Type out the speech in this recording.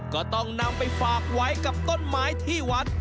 ก็ต้องนำไปฝากไว้กับต้นไม้ที่วัด